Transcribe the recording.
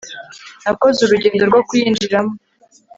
Nakoze urugendo rwo kuyinjiramo